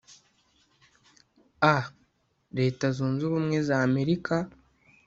a) Leta Zunze Ubumwe za Amerika